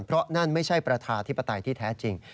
เพราะนั่นไม่ใช่ประชาธิปไตยที่แท้จริง